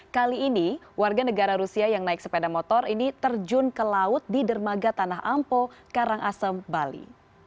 kali ini warga negara rusia yang naik sepeda motor ini terjun ke laut di dermaga tanah ampo karangasem bali